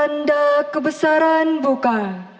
tanda kebesaran buka